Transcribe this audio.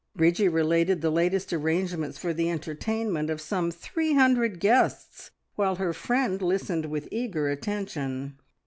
Bridgie related the latest arrangements for the entertainment of some three hundred guests, while her friend listened with eager attention.